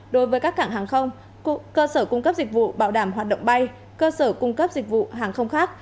đối với các cảng hàng không cơ sở cung cấp dịch vụ bảo đảm hoạt động bay cơ sở cung cấp dịch vụ hàng không khác